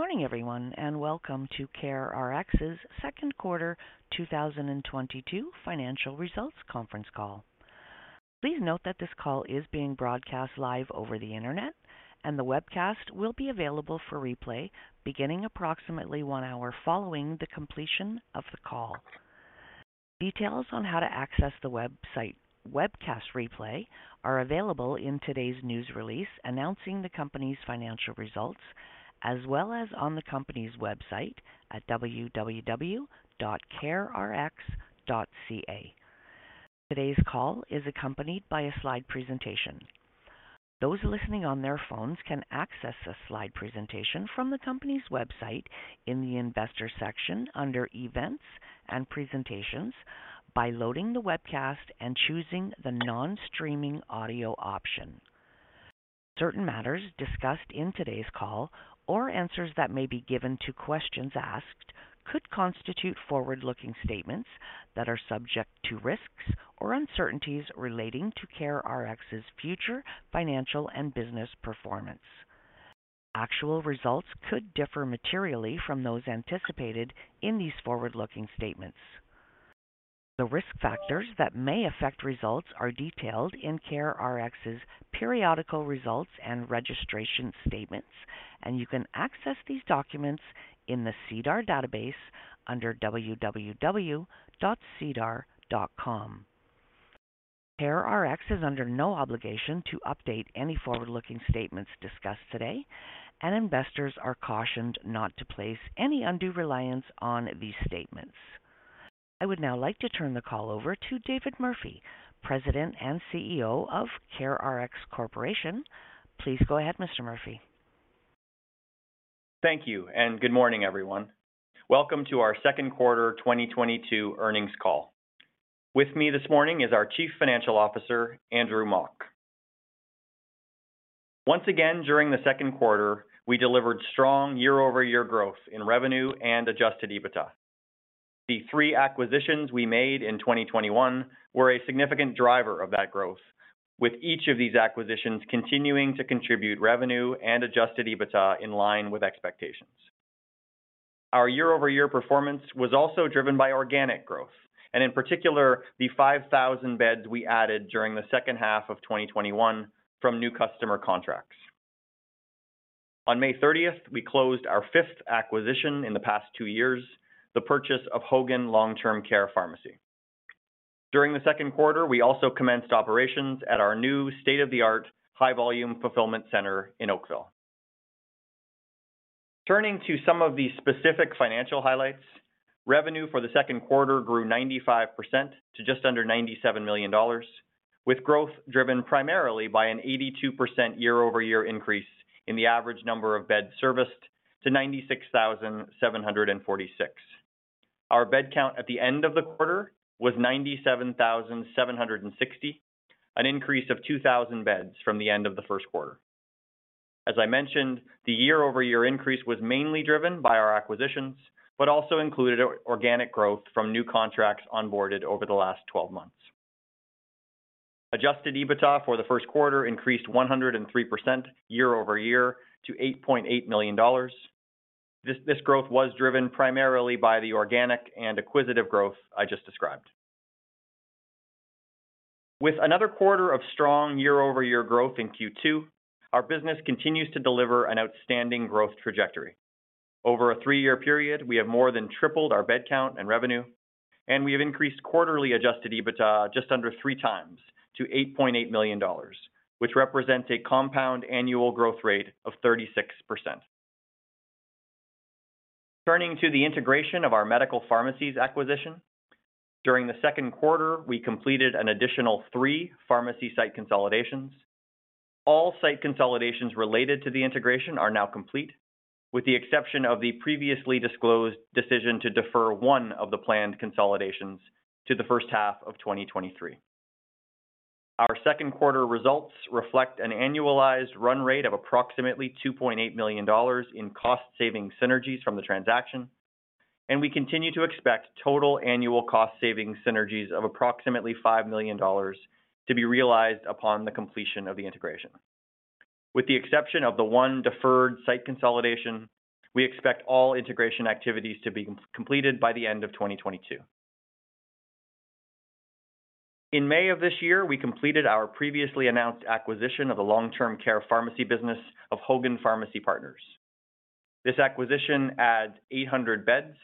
Good morning, everyone, and welcome to CareRx's second quarter 2022 financial results conference call. Please note that this call is being broadcast live over the Internet, and the webcast will be available for replay beginning approximately one hour following the completion of the call. Details on how to access the webcast replay are available in today's news release announcing the company's financial results, as well as on the company's website at www.carerx.ca. Today's call is accompanied by a slide presentation. Those listening on their phones can access the slide presentation from the company's website in the Investors section under Events and Presentations by loading the webcast and choosing the non-streaming audio option. Certain matters discussed in today's call or answers that may be given to questions asked could constitute forward-looking statements that are subject to risks or uncertainties relating to CareRx's future financial and business performance. Actual results could differ materially from those anticipated in these forward-looking statements. The risk factors that may affect results are detailed in CareRx's periodic reports and registration statements, and you can access these documents in the SEDAR database under www.sedar.com. CareRx is under no obligation to update any forward-looking statements discussed today, and investors are cautioned not to place any undue reliance on these statements. I would now like to turn the call over to David Murphy, President and CEO of CareRx Corporation. Please go ahead, Mr. Murphy. Thank you, and good morning, everyone. Welcome to our second quarter 2022 earnings call. With me this morning is our Chief Financial Officer, Andrew Mok. Once again, during the second quarter, we delivered strong year-over-year growth in revenue and Adjusted EBITDA. The three acquisitions we made in 2021 were a significant driver of that growth, with each of these acquisitions continuing to contribute revenue and Adjusted EBITDA in line with expectations. Our year-over-year performance was also driven by organic growth and in particular, the 5,000 beds we added during the second half of 2021 from new customer contracts. On May 30th, we closed our fifth acquisition in the past two years, the purchase of Hogan Long Term Care Pharmacy. During the second quarter, we also commenced operations at our new state-of-the-art high volume fulfillment center in Oakville. Turning to some of the specific financial highlights, revenue for the second quarter grew 95% to just under 97 million dollars, with growth driven primarily by an 82% year-over-year increase in the average number of beds serviced to 96,746. Our bed count at the end of the quarter was 97,760, an increase of 2,000 beds from the end of the first quarter. As I mentioned, the year-over-year increase was mainly driven by our acquisitions, but also included organic growth from new contracts onboarded over the last 12 months. Adjusted EBITDA for the first quarter increased 103% year-over-year to 8.8 million dollars. This growth was driven primarily by the organic and acquisitive growth I just described. With another quarter of strong year-over-year growth in Q2, our business continues to deliver an outstanding growth trajectory. Over a three-year period, we have more than tripled our bed count and revenue, and we have increased quarterly Adjusted EBITDA just under three times to 8.8 million dollars, which represents a compound annual growth rate of 36%. Turning to the integration of our Medical Pharmacies acquisition. During the second quarter, we completed an additional three pharmacy site consolidations. All site consolidations related to the integration are now complete, with the exception of the previously disclosed decision to defer one of the planned consolidations to the first half of 2023. Our second quarter results reflect an annualized run rate of approximately 2.8 million dollars in cost saving synergies from the transaction, and we continue to expect total annual cost saving synergies of approximately 5 million dollars to be realized upon the completion of the integration. With the exception of the one deferred site consolidation, we expect all integration activities to be completed by the end of 2022. In May of this year, we completed our previously announced acquisition of the long-term care pharmacy business of Hogan Pharmacy Partners. This acquisition adds 800 beds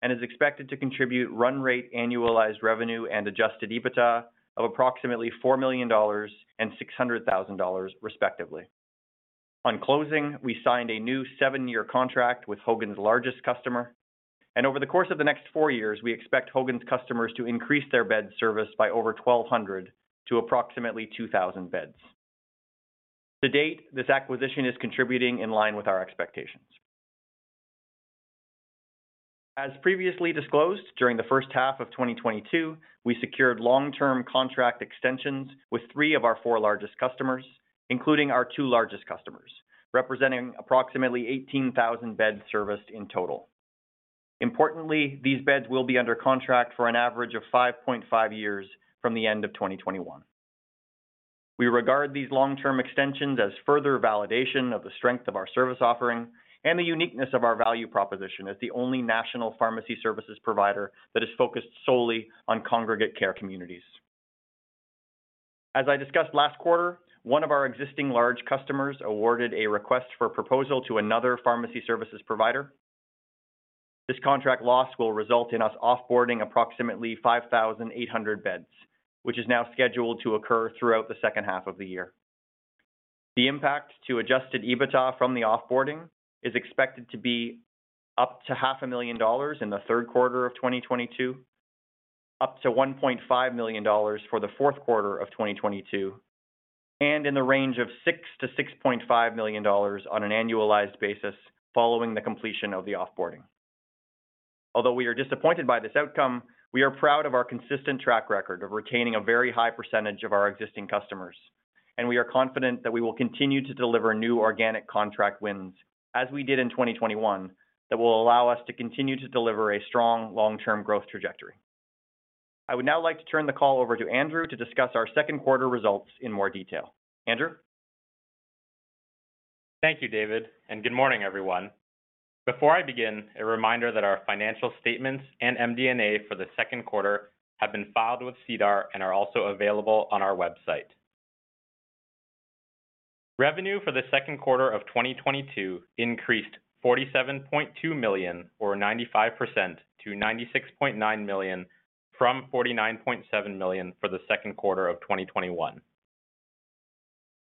and is expected to contribute run rate annualized revenue and Adjusted EBITDA of approximately 4 million dollars and 600,000 dollars, respectively. On closing, we signed a new seven year contract with Hogan's largest customer, and over the course of the next four years, we expect Hogan's customers to increase their bed service by over 1,200 to approximately 2,000 beds. To date, this acquisition is contributing in line with our expectations. As previously disclosed, during the first half of 2022, we secured long-term contract extensions with three of our four largest customers, including our two largest customers, representing approximately 18,000 beds serviced in total. Importantly, these beds will be under contract for an average of 5.5 years from the end of 2021. We regard these long-term extensions as further validation of the strength of our service offering and the uniqueness of our value proposition as the only national pharmacy services provider that is focused solely on congregate care communities. As I discussed last quarter, one of our existing large customers awarded a request for proposal to another pharmacy services provider. This contract loss will result in us off-boarding approximately 5,800 beds, which is now scheduled to occur throughout the second half of the year. The impact to Adjusted EBITDA from the off-boarding is expected to be up to CAD half a million in the third quarter of 2022, up to 1.5 million dollars for the fourth quarter of 2022, and in the range of 6 million-6.5 million dollars on an annualized basis following the completion of the off-boarding. Although we are disappointed by this outcome, we are proud of our consistent track record of retaining a very high percentage of our existing customers, and we are confident that we will continue to deliver new organic contract wins as we did in 2021 that will allow us to continue to deliver a strong long-term growth trajectory. I would now like to turn the call over to Andrew to discuss our second quarter results in more detail. Andrew. Thank you, David, and good morning, everyone. Before I begin, a reminder that our financial statements and MD&A for the second quarter have been filed with SEDAR and are also available on our website. Revenue for the second quarter of 2022 increased 47.2 million or 95% to 96.9 million from 49.7 million for the second quarter of 2021.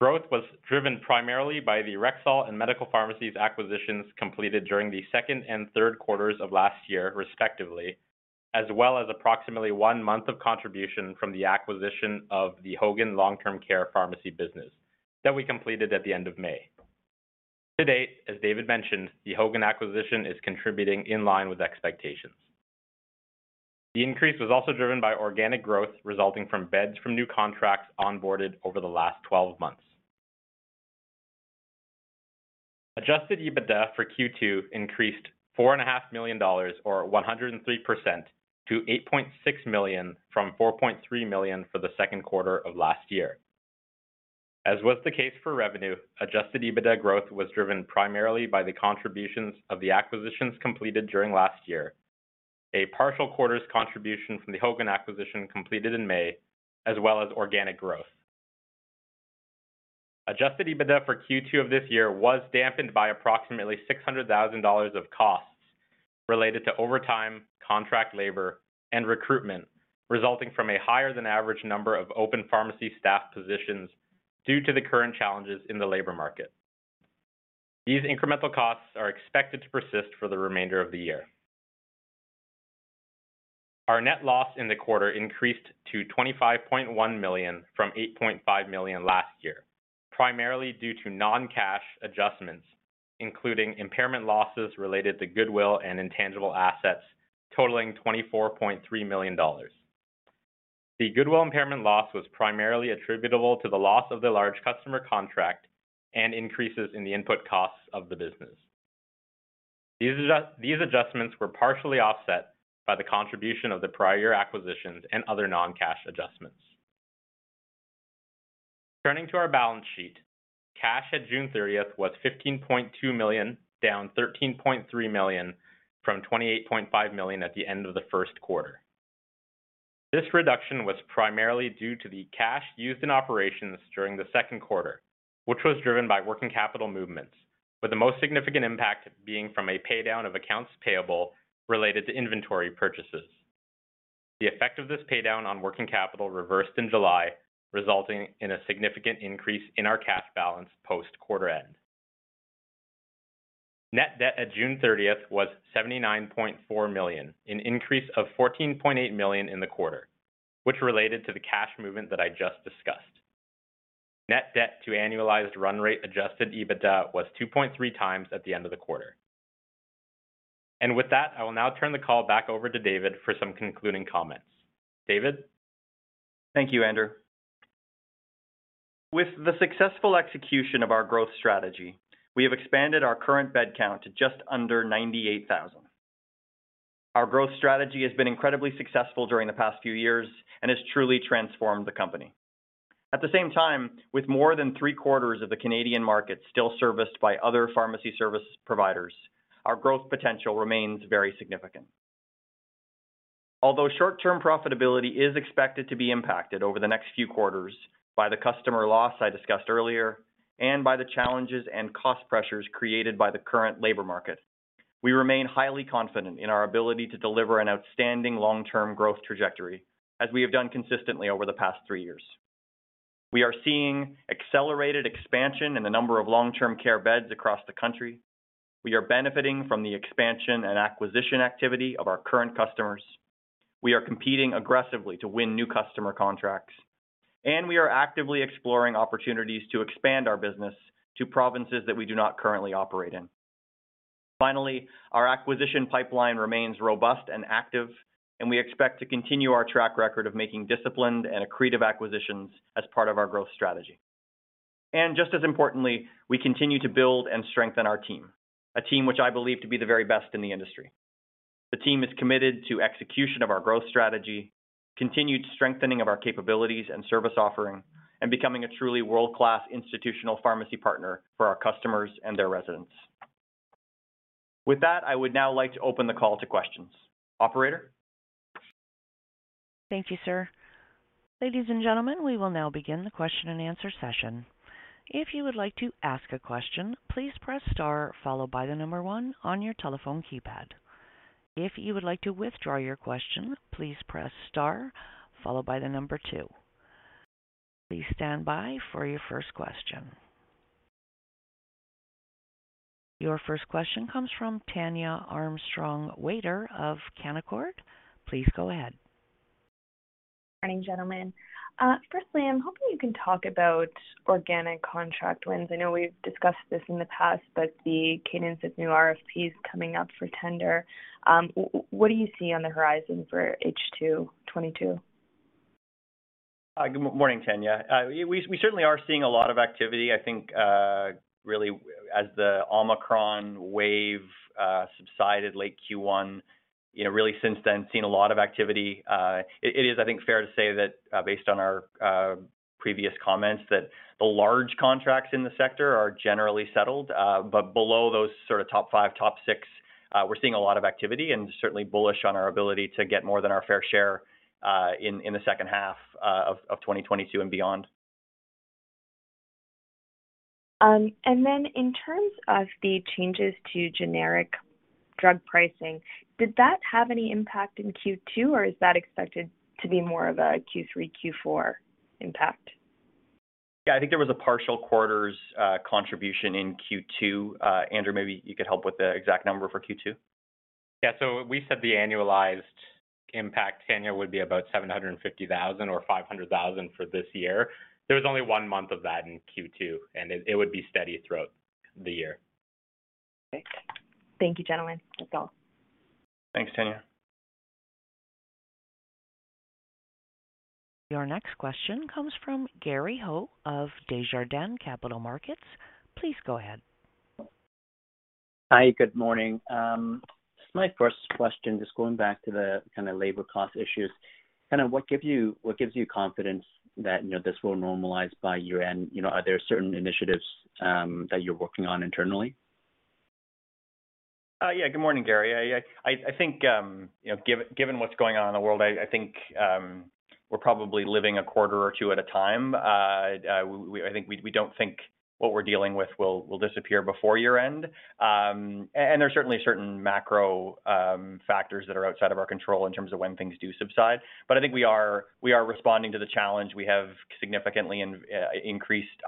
Growth was driven primarily by the Rexall and Medical Pharmacies acquisitions completed during the second and third quarters of last year, respectively, as well as approximately one month of contribution from the acquisition of the Hogan Long Term Care Pharmacy business that we completed at the end of May. To date, as David mentioned, the Hogan acquisition is contributing in line with expectations. The increase was also driven by organic growth resulting from beds from new contracts onboarded over the last 12 months. Adjusted EBITDA for Q2 increased four and a half million dollars or 103% to 8.6 million from 4.3 million for the second quarter of last year. As was the case for revenue, Adjusted EBITDA growth was driven primarily by the contributions of the acquisitions completed during last year, a partial quarter's contribution from the Hogan acquisition completed in May, as well as organic growth. Adjusted EBITDA for Q2 of this year was dampened by approximately 600,000 dollars of costs related to overtime, contract labor, and recruitment, resulting from a higher than average number of open pharmacy staff positions due to the current challenges in the labor market. These incremental costs are expected to persist for the remainder of the year. Our net loss in the quarter increased to 25.1 million from 8.5 million last year, primarily due to non-cash adjustments, including impairment losses related to goodwill and intangible assets totaling 24.3 million dollars. The goodwill impairment loss was primarily attributable to the loss of the large customer contract and increases in the input costs of the business. These adjustments were partially offset by the contribution of the prior year acquisitions and other non-cash adjustments. Turning to our balance sheet, cash at June 30th was 15.2 million, down 13.3 million from 28.5 million at the end of the first quarter. This reduction was primarily due to the cash used in operations during the second quarter, which was driven by working capital movements, with the most significant impact being from a pay down of accounts payable related to inventory purchases. The effect of this pay down on working capital reversed in July, resulting in a significant increase in our cash balance post-quarter end. Net debt at June 30th was 79.4 million, an increase of 14.8 million in the quarter, which related to the cash movement that I just discussed. Net debt to annualized run rate Adjusted EBITDA was 2.3x at the end of the quarter. With that, I will now turn the call back over to David for some concluding comments. David. Thank you, Andrew. With the successful execution of our growth strategy, we have expanded our current bed count to just under 98,000. Our growth strategy has been incredibly successful during the past few years and has truly transformed the company. At the same time, with more than three-quarters of the Canadian market still serviced by other pharmacy service providers, our growth potential remains very significant. Although short-term profitability is expected to be impacted over the next few quarters by the customer loss I discussed earlier and by the challenges and cost pressures created by the current labor market, we remain highly confident in our ability to deliver an outstanding long-term growth trajectory as we have done consistently over the past three years. We are seeing accelerated expansion in the number of long-term care beds across the country. We are benefiting from the expansion and acquisition activity of our current customers. We are competing aggressively to win new customer contracts, and we are actively exploring opportunities to expand our business to provinces that we do not currently operate in. Finally, our acquisition pipeline remains robust and active, and we expect to continue our track record of making disciplined and accretive acquisitions as part of our growth strategy. Just as importantly, we continue to build and strengthen our team, a team which I believe to be the very best in the industry. The team is committed to execution of our growth strategy, continued strengthening of our capabilities and service offering, and becoming a truly world-class institutional pharmacy partner for our customers and their residents. With that, I would now like to open the call to questions. Operator? Thank you, sir. Ladies and gentlemen, we will now begin the question and answer session. If you would like to ask a question, please press star followed by the number one on your telephone keypad. If you would like to withdraw your question, please press star followed by the number two. Please stand by for your first question. Your first question comes from Tania Armstrong-Whitworth of Canaccord. Please go ahead. Morning, gentlemen. Firstly, I'm hoping you can talk about organic contract wins. I know we've discussed this in the past, but the cadence of new RFPs coming up for tender, what do you see on the horizon for H2 2022? Good morning, Tania. We certainly are seeing a lot of activity. I think, really as the Omicron wave subsided late Q1, you know, really since then seen a lot of activity. It is, I think, fair to say that, based on our previous comments that the large contracts in the sector are generally settled. Below those sort of top five, top six, we're seeing a lot of activity and certainly bullish on our ability to get more than our fair share, in the second half of 2022 and beyond. And then in terms of the changes to generic drug pricing, did that have any impact in Q2, or is that expected to be more of a Q3, Q4 impact? Yeah. I think there was a partial quarter's contribution in Q2. Andrew, maybe you could help with the exact number for Q2. Yeah. We said the annualized impact, Tania, would be about 750,000 or 500,000 for this year. There was only one month of that in Q2, and it would be steady throughout the year. Perfect. Thank you, gentlemen. That's all. Thanks, Tania. Your next question comes from Gary Ho of Desjardins Capital Markets. Please go ahead. Hi. Good morning. My first question, just going back to the kinda labor cost issues. Kinda what gives you confidence that, you know, this will normalize by year-end? You know, are there certain initiatives that you're working on internally? Good morning, Gary. I think, you know, given what's going on in the world, I think we're probably living a quarter or two at a time. I think we don't think what we're dealing with will disappear before year-end. There's certainly certain macro factors that are outside of our control in terms of when things do subside. I think we are responding to the challenge. We have significantly increased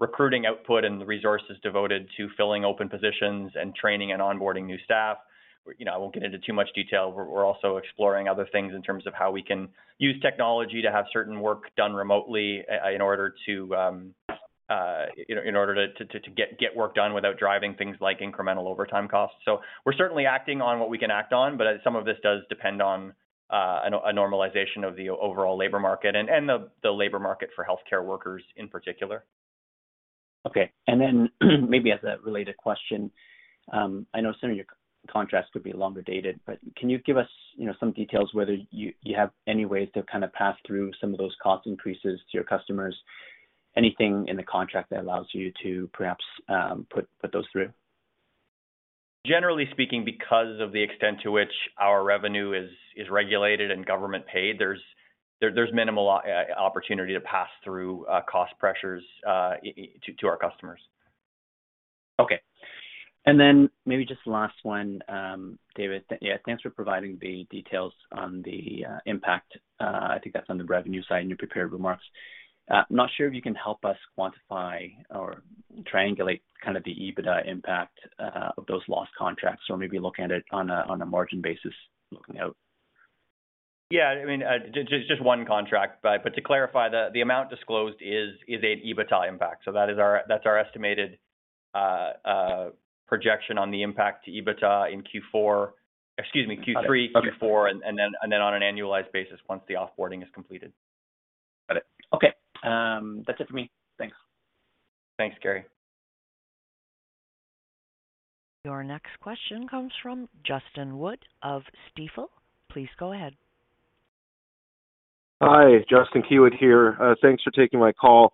our recruiting output and the resources devoted to filling open positions and training and onboarding new staff. You know, I won't get into too much detail, but we're also exploring other things in terms of how we can use technology to have certain work done remotely in order to, you know, get work done without driving things like incremental overtime costs. We're certainly acting on what we can act on, but some of this does depend on a normalization of the overall labor market and the labor market for healthcare workers in particular. Okay. Maybe as a related question, I know some of your contracts could be longer dated, but can you give us, you know, some details whether you have any ways to kind of pass through some of those cost increases to your customers? Anything in the contract that allows you to perhaps, put those through? Generally speaking, because of the extent to which our revenue is regulated and government paid, there's minimal opportunity to pass through cost pressures to our customers. Okay. Then maybe just last one, David. Yeah, thanks for providing the details on the impact. I think that's on the revenue side in your prepared remarks. Not sure if you can help us quantify or triangulate kind of the EBITDA impact of those lost contracts or maybe look at it on a margin basis looking out. Yeah. I mean, just one contract. To clarify, the amount disclosed is an EBITDA impact. That is our estimated projection on the impact to EBITDA in Q4. Excuse me, Q3. Okay. Q4 on an annualized basis once the off-boarding is completed. Got it. Okay. That's it for me. Thanks. Thanks, Gary. Your next question comes from Justin Keywood of Stifel. Please go ahead. Hi. Justin Keywood here. Thanks for taking my call.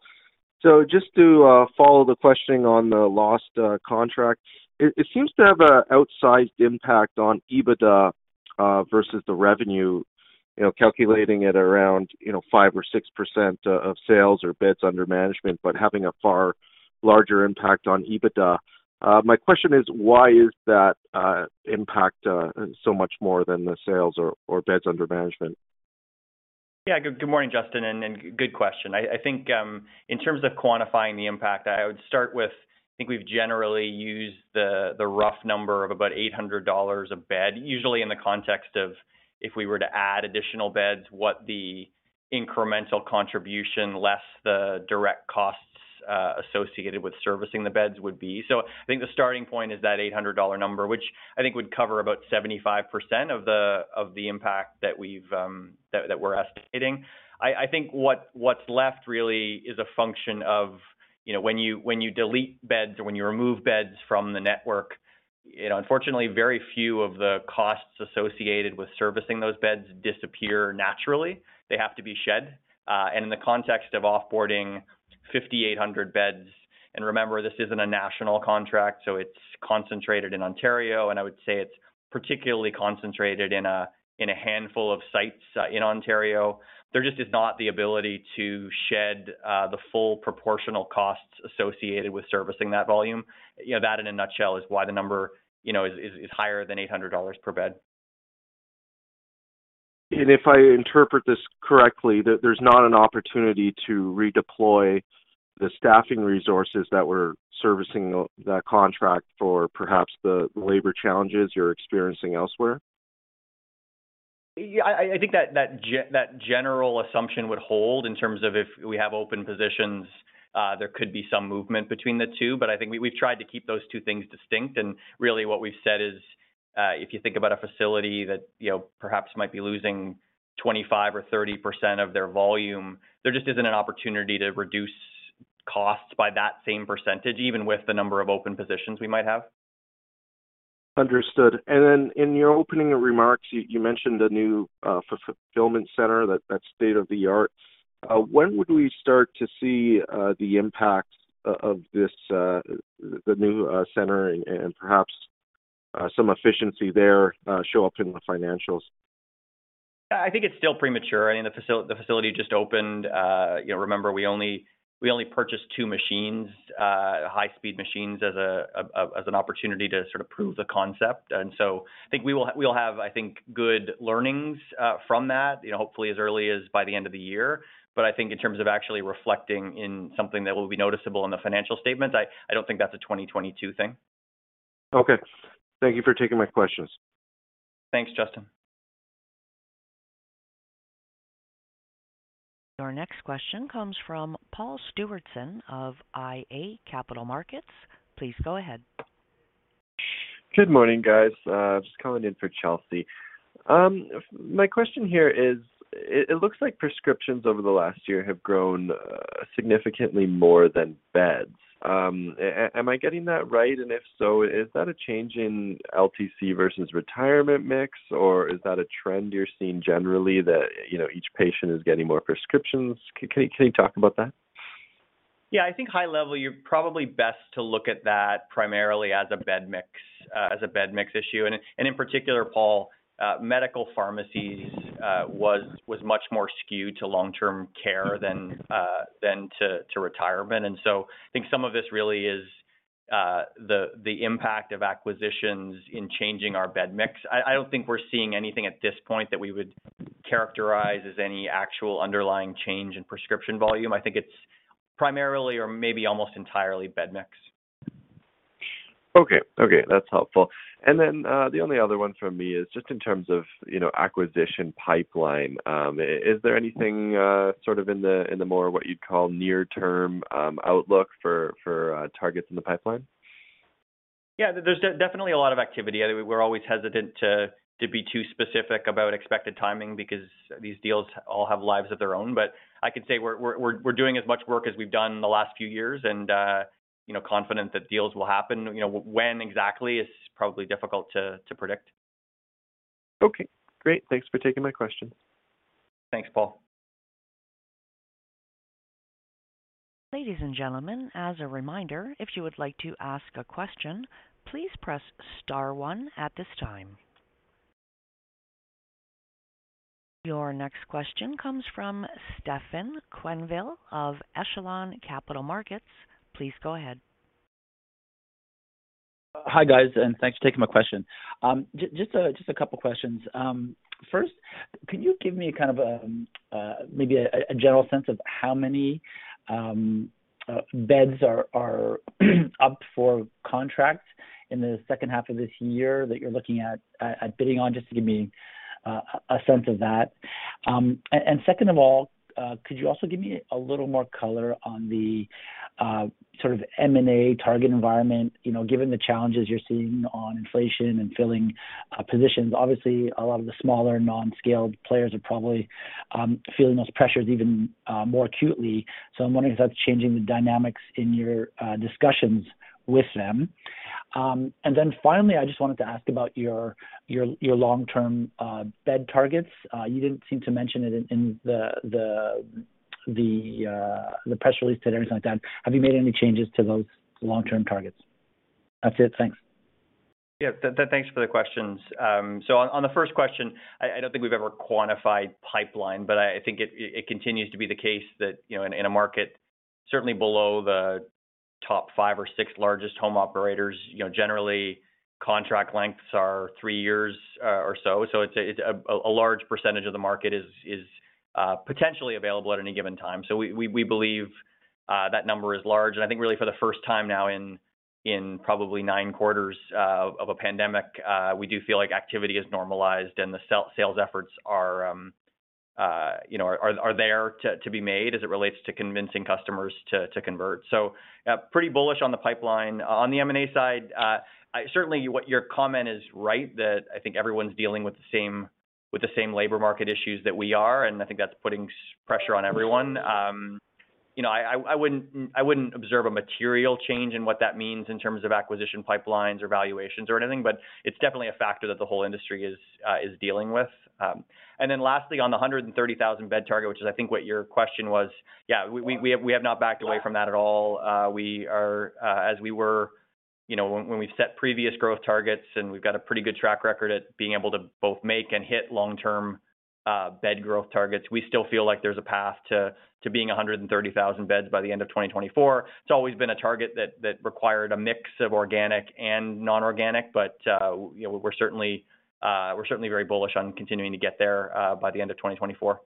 Just to follow the questioning on the lost contract. It seems to have an outsized impact on EBITDA versus the revenue, you know, calculating it around 5% or 6% of sales or beds under management, but having a far larger impact on EBITDA. My question is why is that impact so much more than the sales or beds under management? Yeah. Good morning, Justin, and good question. I think in terms of quantifying the impact, I would start with, I think we've generally used the rough number of about 800 dollars a bed, usually in the context of if we were to add additional beds, what the incremental contribution less the direct costs associated with servicing the beds would be. I think the starting point is that 800 dollar number, which I think would cover about 75% of the impact that we're estimating. I think what's left really is a function of, you know, when you delete beds or when you remove beds from the network. You know, unfortunately, very few of the costs associated with servicing those beds disappear naturally. They have to be shed. In the context of off-boarding 5,800 beds, remember this isn't a national contract, so it's concentrated in Ontario, and I would say it's particularly concentrated in a handful of sites in Ontario. There just is not the ability to shed the full proportional costs associated with servicing that volume. You know, that in a nutshell is why the number, you know, is higher than 800 dollars per bed. If I interpret this correctly, there's not an opportunity to redeploy the staffing resources that were servicing that contract for perhaps the labor challenges you're experiencing elsewhere? Yeah. I think that general assumption would hold in terms of if we have open positions, there could be some movement between the two. But I think we've tried to keep those two things distinct. Really what we've said is, if you think about a facility that, you know, perhaps might be losing 25% or 30% of their volume, there just isn't an opportunity to reduce costs by that same percentage, even with the number of open positions we might have. Understood. In your opening remarks, you mentioned a new fulfillment center that's state-of-the-art. When would we start to see the impacts of this, the new center and perhaps some efficiency there show up in the financials? I think it's still premature. I mean, the facility just opened. You know, remember we only purchased two machines, high-speed machines as an opportunity to sort of prove the concept. I think we will, we'll have, I think, good learnings from that, you know, hopefully as early as by the end of the year. I think in terms of actually reflecting in something that will be noticeable in the financial statements, I don't think that's a 2022 thing. Okay. Thank you for taking my questions. Thanks, Justin. Your next question comes from Paul Stewardson of iA Capital Markets. Please go ahead. Good morning, guys. Just calling in for Chelsea. My question here is, it looks like prescriptions over the last year have grown significantly more than beds. Am I getting that right? If so, is that a change in LTC versus retirement mix, or is that a trend you're seeing generally that, you know, each patient is getting more prescriptions? Can you talk about that? Yeah. I think high level, you're probably best to look at that primarily as a bed mix, as a bed mix issue. In particular, Paul, Medical Pharmacies was much more skewed to long-term care than to retirement. I think some of this really is the impact of acquisitions in changing our bed mix. I don't think we're seeing anything at this point that we would characterize as any actual underlying change in prescription volume. I think it's primarily or maybe almost entirely bed mix. Okay. Okay, that's helpful. The only other one from me is just in terms of, you know, acquisition pipeline. Is there anything, sort of in the more what you'd call near-term outlook for targets in the pipeline? Yeah. There's definitely a lot of activity. We're always hesitant to be too specific about expected timing because these deals all have lives of their own. I can say we're doing as much work as we've done in the last few years and you know, confident that deals will happen. You know, when exactly is probably difficult to predict. Okay, great. Thanks for taking my question. Thanks, Paul. Ladies and gentlemen, as a reminder, if you would like to ask a question, please press star one at this time. Your next question comes from Stefan Quenneville of Echelon Capital Markets. Please go ahead. Hi, guys, and thanks for taking my question. Just a couple of questions. First, can you give me kind of maybe a general sense of how many beds are up for contract in the second half of this year that you're looking at bidding on, just to give me a sense of that. Second of all, could you also give me a little more color on the sort of M&A target environment, you know, given the challenges you're seeing on inflation and filling positions? Obviously, a lot of the smaller non-scaled players are probably feeling those pressures even more acutely. I'm wondering if that's changing the dynamics in your discussions with them. And then finally, I just wanted to ask about your long-term bed targets. You didn't seem to mention it in the press release today or anything like that. Have you made any changes to those long-term targets? That's it. Thanks. Yeah. Thanks for the questions. On the first question, I don't think we've ever quantified pipeline, but I think it continues to be the case that, you know, in a market certainly below the top five or six largest home operators, you know, generally, contract lengths are three years or so. It's a large percentage of the market is potentially available at any given time. We believe that number is large. I think really for the first time now in probably nine quarters of a pandemic, we do feel like activity is normalized and the sales efforts are, you know, are there to be made as it relates to convincing customers to convert. Pretty bullish on the pipeline. On the M&A side, certainly what your comment is right that I think everyone's dealing with the same labor market issues that we are, and I think that's putting pressure on everyone. You know, I wouldn't observe a material change in what that means in terms of acquisition pipelines or valuations or anything, but it's definitely a factor that the whole industry is dealing with. Lastly, on the 130,000 bed target, which is, I think, what your question was. Yeah, we have not backed away from that at all. We are as we were, you know, when we set previous growth targets and we've got a pretty good track record at being able to both make and hit long-term bed growth targets. We still feel like there's a path to being 130,000 beds by the end of 2024. It's always been a target that required a mix of organic and non-organic. You know, we're certainly very bullish on continuing to get there by the end of 2024.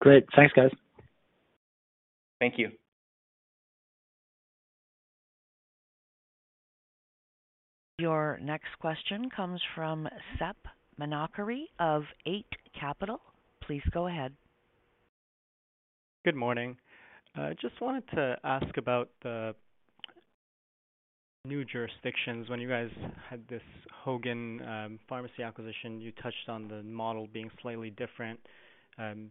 Great. Thanks, guys. Thank you. Your next question comes from Sep Manochehry of Eight Capital. Please go ahead.k Good morning. Just wanted to ask about the new jurisdictions. When you guys had this Hogan pharmacy acquisition, you touched on the model being slightly different.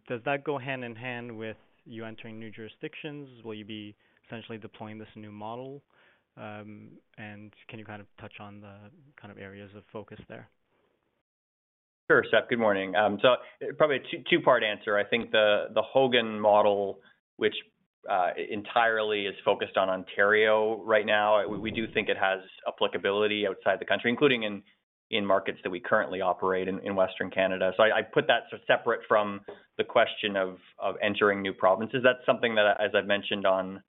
Does that go hand in hand with you entering new jurisdictions? Will you be essentially deploying this new model? Can you kind of touch on the kind of areas of focus there? Sure, Sep. Good morning. So probably a two-part answer. I think the Hogan model, which entirely is focused on Ontario right now, we do think it has applicability outside the country, including in markets that we currently operate in Western Canada. I put that sort of separate from the question of entering new provinces. That's something that, as I've mentioned on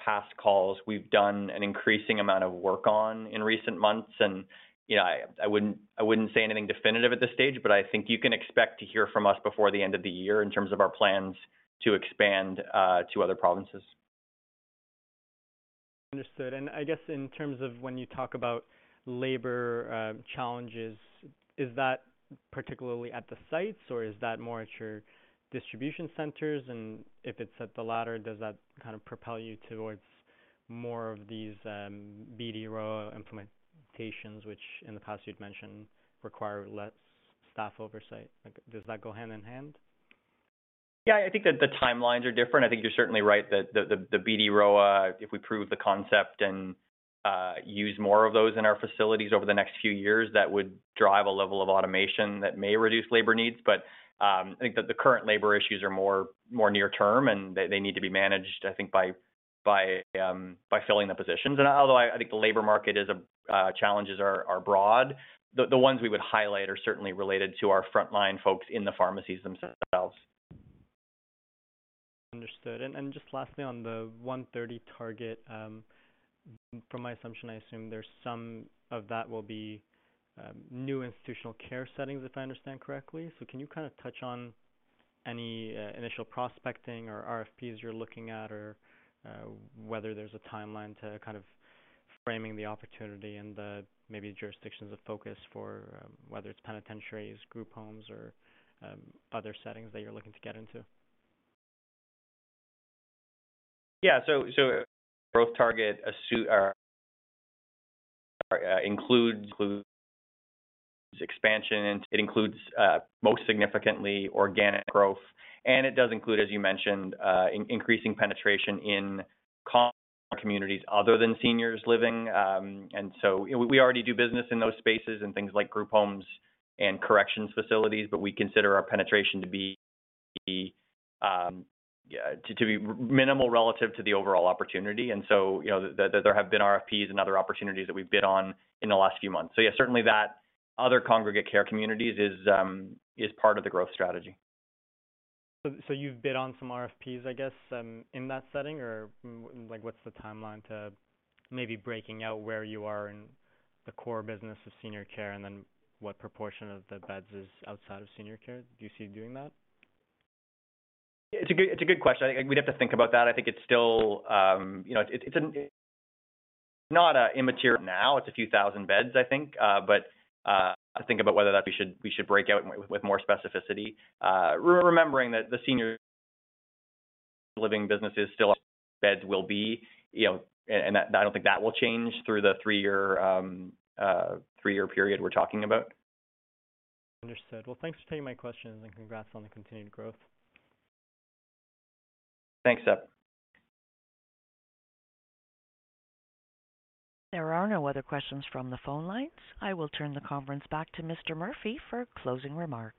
past calls, we've done an increasing amount of work on in recent months. You know, I wouldn't say anything definitive at this stage, but I think you can expect to hear from us before the end of the year in terms of our plans to expand to other provinces. Understood. I guess, in terms of when you talk about labor challenges, is that particularly at the sites, or is that more at your distribution centers? If it's at the latter, does that kind of propel you towards more of these BD Rowa implementations, which in the past you'd mentioned require less staff oversight? Like, does that go hand in hand? Yeah, I think that the timelines are different. I think you're certainly right that the BD Rowa, if we prove the concept and use more of those in our facilities over the next few years, that would drive a level of automation that may reduce labor needs. I think that the current labor issues are more near term and they need to be managed, I think, by filling the positions. Although I think the labor market challenges are broad, the ones we would highlight are certainly related to our frontline folks in the pharmacies themselves. Understood. Just lastly, on the $130 target, from my assumption, I assume there's some of that will be new institutional care settings, if I understand correctly. Can you kind of touch on any initial prospecting or RFPs you're looking at or whether there's a timeline to kind of framing the opportunity and the maybe jurisdictions of focus for whether it's penitentiaries, group homes, or other settings that you're looking to get into? Yeah. Growth target assumes or includes expansion. It includes most significantly organic growth. It does include, as you mentioned, increasing penetration in congregate communities other than seniors living. We already do business in those spaces and things like group homes and corrections facilities, but we consider our penetration to be minimal relative to the overall opportunity. There have been RFPs and other opportunities that we've bid on in the last few months. Yeah, certainly that other congregate care communities is part of the growth strategy. You've bid on some RFPs, I guess, in that setting like what's the timeline to maybe breaking out where you are in the core business of senior care and then what proportion of the beds is outside of senior care? Do you see doing that? It's a good question. We'd have to think about that. I think it's still, you know, it's not immaterial now. It's a few thousand beds, I think. But I think about whether we should break out with more specificity. Remembering that the senior living business is still beds will be, you know, and I don't think that will change through the three-year period we're talking about. Understood. Well, thanks for taking my questions and congrats on the continued growth. Thanks, Sep. There are no other questions from the phone lines. I will turn the conference back to Mr. Murphy for closing remarks.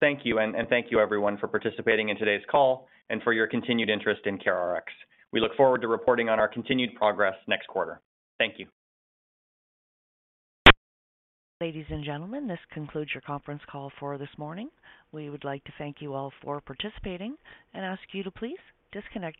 Thank you. Thank you everyone for participating in today's call and for your continued interest in CareRx. We look forward to reporting on our continued progress next quarter. Thank you. Ladies and gentlemen, this concludes your conference call for this morning. We would like to thank you all for participating and ask you to please disconnect your.